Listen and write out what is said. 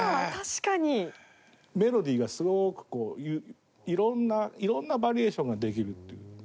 メロディーがすごく、こう、いろんないろんなバリエーションができるっていう。